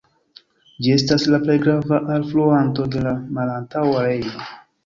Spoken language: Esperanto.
Ĝi estas la plej grava alfluanto de la Malantaŭa Rejno.